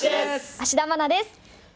芦田愛菜です。